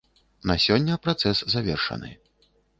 На сёння працэс завершаны.